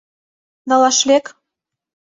Налаш лек!..